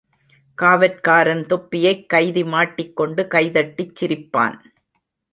காவற்காரன் தொப்பியைக் கைதி மாட்டிக்கொண்டு கைதட்டி சிரிப்பான்.